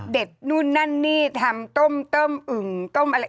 นู่นนั่นนี่ทำต้มต้มอึ่งต้มอะไร